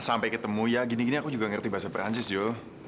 sampai ketemu ya gini gini aku juga ngerti bahasa perancis jo